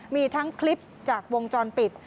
มีทั้งคลิปจากวงจรปิด